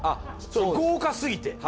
豪華すぎて。